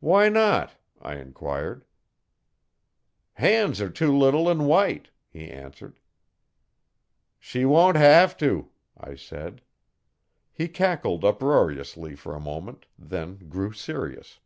'Why not?' I enquired. 'Han's are too little an' white,' he answered. 'She won't have to,' I said. He cackled uproariously for a moment, then grew serious.